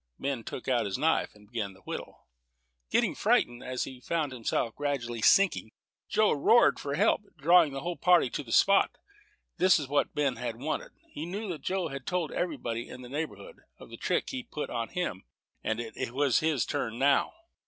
Ben took out his knife, and began to whittle. Getting frightened, as he found himself gradually sinking, Joe roared for help, drawing the whole party to the spot. This was just what Ben wanted. He knew that Joe had told everybody in the neighborhood of the trick he put on him, and it was his turn now.